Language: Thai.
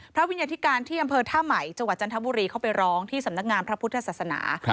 วิญญาธิการที่อำเภอท่าใหม่จังหวัดจันทบุรีเข้าไปร้องที่สำนักงานพระพุทธศาสนา